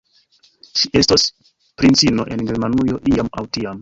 Ŝi estos princino en Germanujo, iam aŭ tiam.